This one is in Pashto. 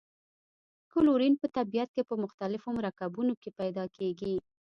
کلورین په طبیعت کې په مختلفو مرکبونو کې پیداکیږي.